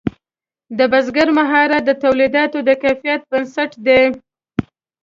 د بزګر مهارت د تولیداتو د کیفیت بنسټ دی.